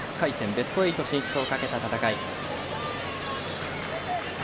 ベスト８進出をかけた戦い。